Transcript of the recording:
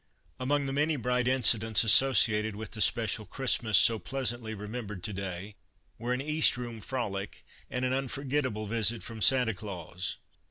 Among the many bright incidents associated with the special Christmas so pleasantly remembered to day were an East Room frolic and an unforgetable visit from Sancta Clans.